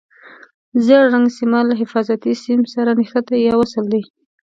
ژېړ رنګ سیمان له حفاظتي سیم سره نښتي یا وصل دي.